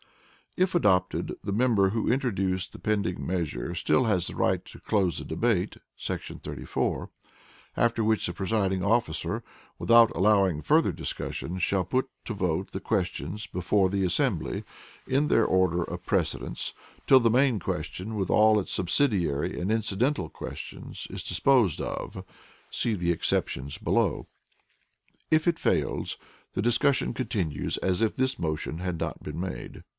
If adopted, the member who introduced the pending measure still has the right to close the debate [§ 34]; after which the presiding officer, without allowing further discussion, shall put to vote the questions before the assembly, in their order of precedence, till the main question, with all its subsidiary and incidental questions, is disposed of (see the exceptions below). If it fails, the discussion continues as if this motion had not been made.